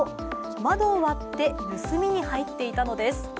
窓を割って盗みに入っていたのです。